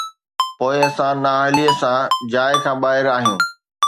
پوءِ اسان نااهليءَ سان جاءِ کان ٻاهر آهيون